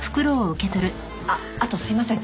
あっあとすいません。